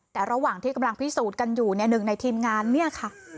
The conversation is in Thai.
แต่ระหว่างที่กำลังพิสูจน์กันอยู่เนี่ยหนึ่งในทีมงานเนี่ยค่ะ